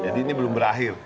jadi ini belum berakhir